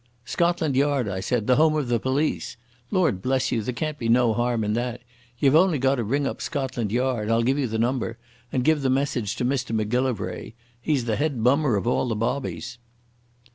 "Scotland Yard," I said, "the home of the police. Lord bless you, there can't be no harm in that. Ye've only got to ring up Scotland Yard—I'll give you the number—and give the message to Mr Macgillivray. He's the head bummer of all the bobbies."